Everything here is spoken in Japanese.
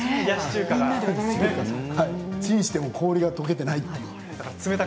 チンしても氷がとけていないという。